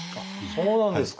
そうなんですか。